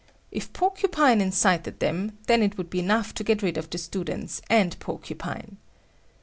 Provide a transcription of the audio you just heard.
If Porcupine incited them, then it would be enough to get rid of the students and Porcupine.